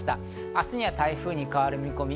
明日には台風に変わる見込み。